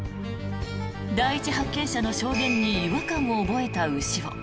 第一発見者の証言に違和感を覚えた牛尾。